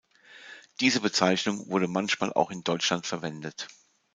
Diese Bezeichnung wurde manchmal auch in Deutschland verwendet.